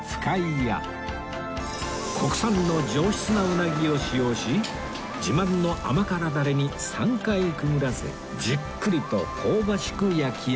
国産の上質なうなぎを使用し自慢の甘辛ダレに３回くぐらせじっくりと香ばしく焼き上げます